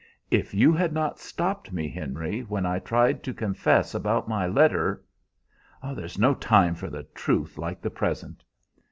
"If you had not stopped me, Henry, when I tried to confess about my letter! There's no time for the truth like the present."